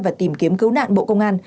và tìm kiếm cứu nạn bộ công an